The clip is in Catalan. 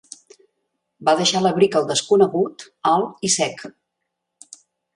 Va deixar l'abric al desconegut alt i sec.